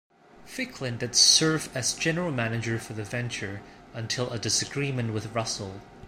Ficklin did serve as general manager for the venture, until a disagreement with Russell.